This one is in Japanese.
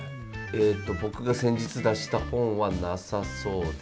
えと僕が先日出した本はなさそうです。